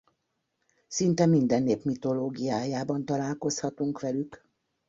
Szinte minden nép mitológiájában találkozhatunk velük.